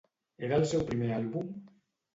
Era el seu primer àlbum?